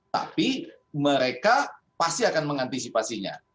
tapi mereka pasti akan mengantisipasinya